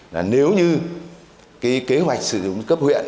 là nếu như kế hoạch sử dụng cấp huyện